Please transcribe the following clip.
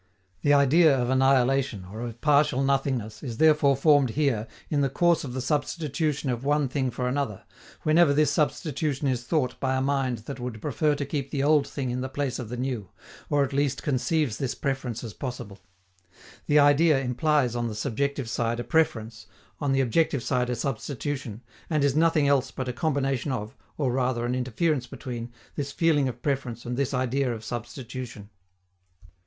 The idea of annihilation or of partial nothingness is therefore formed here in the course of the substitution of one thing for another, whenever this substitution is thought by a mind that would prefer to keep the old thing in the place of the new, or at least conceives this preference as possible. The idea implies on the subjective side a preference, on the objective side a substitution, and is nothing else but a combination of, or rather an interference between, this feeling of preference and this idea of substitution.